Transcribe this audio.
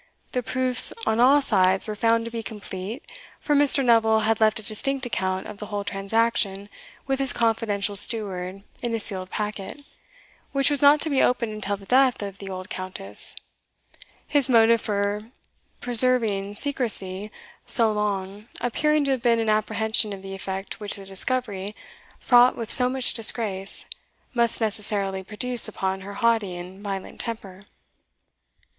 The proofs on all sides were found to be complete, for Mr. Neville had left a distinct account of the whole transaction with his confidential steward in a sealed packet, which was not to be opened until the death of the old Countess; his motive for preserving secrecy so long appearing to have been an apprehension of the effect which the discovery, fraught with so much disgrace, must necessarily produce upon her haughty and violent temper.